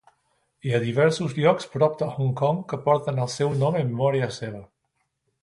Hi ha diversos llocs prop de Hong Kong que porten el seu nom en memòria seva.